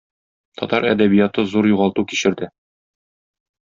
Татар әдәбияты зур югалту кичерде.